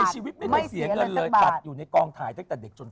ในชีวิตไม่เสียเลยตัดอยู่ในกลองถ่ายตั้งแต่เด็กจนโต